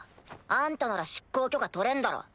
あんたなら出港許可取れんだろ。